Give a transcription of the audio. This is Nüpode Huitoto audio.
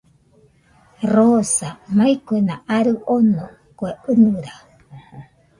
Rosa, mai kuena arɨ ono, kue ɨnɨra